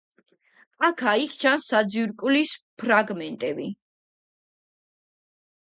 აქა-იქ ჩანს საძირკვლის ფრაგმენტები.